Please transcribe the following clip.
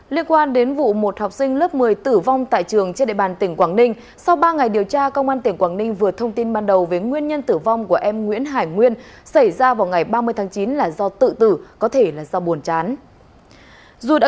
liên quan đến vụ một học sinh lớp một mươi tử vong tại trường trên địa bàn tỉnh quảng ninh sau ba ngày điều tra công an tỉnh quảng ninh vừa thông tin ban đầu về nguyên nhân tử vong của em nguyễn hải nguyên xảy ra vào ngày ba mươi tháng chín là do tự tử có thể là do buồn chán